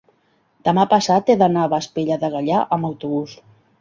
demà passat he d'anar a Vespella de Gaià amb autobús.